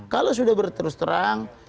kalau sudah berterus terang